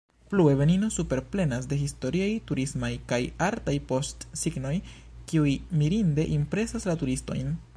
Plue, Benino superplenas de historiaj, turismaj, kaj artaj postsignoj, kiuj mirinde impresas la turistojn.